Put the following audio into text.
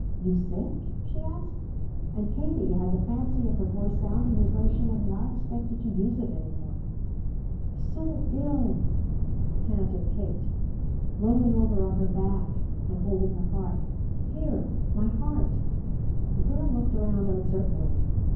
"You sick?" she asked, and Katie had the fancy of her voice sounding as though she had not expected to use it any more. "So ill!" panted Kate, rolling over on her back and holding her heart. "Here! My heart!" The girl looked around uncertainly.